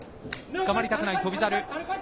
つかまりたくない翔猿。